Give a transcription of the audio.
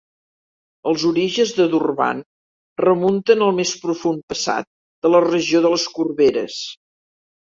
Els orígens de Durban remunten al més profund passat de la regió de les Corberes.